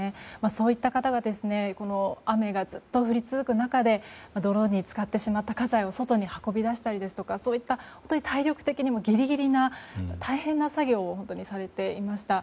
そういった方が雨がずっと降り続く中で泥に浸かってしまった家財を外に運び出したりとかそういった体力的にもギリギリな大変な作業をされていました。